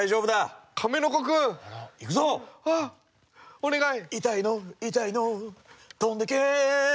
お願い！